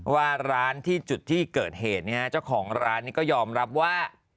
ว่าร้านที่จุดที่เกิดเหตุเจ้าของร้านนี้ก็ยอมรับว่า